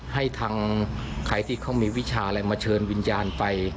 ให้ทางใครที่เขามีวิชาอะไรมาเชิญวิญญาณไป